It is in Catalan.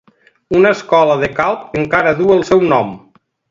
Una escola de Calp encara duu el seu nom.